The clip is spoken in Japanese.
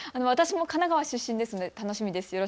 私も神奈川の出身ですので楽しみです。